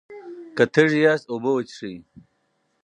که تږي یاست، اوبه وڅښئ.